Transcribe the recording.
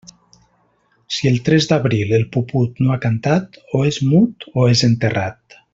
Si el tres d'abril el puput no ha cantat, o és mut o és enterrat.